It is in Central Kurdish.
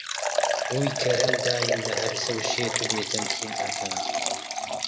ڕووی کەرەم دایم لە هەرزە و شێت و بێ تەمکین ئەکا